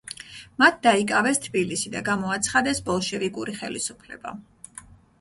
მათ დაიკავეს თბილისი და გამოაცხადეს ბოლშევიკური ხელისუფლება.